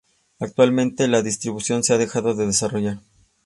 Actualmente la distribución se ha dejado de desarrollar.